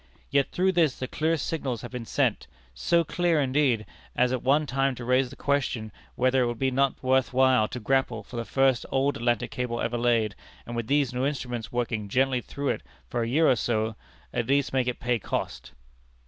Yet through this the clearest signals have been sent so clear, indeed, as at one time to raise the question whether it would not be worth while to grapple for the first old Atlantic cable ever laid, and with these new instruments working gently through it for a year or so, at least make it pay cost."